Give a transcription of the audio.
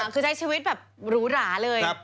คือใช้ชีวิตแบบหรูหราเลย